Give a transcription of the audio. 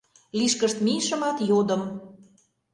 Лишкышт мийышымат, йодым: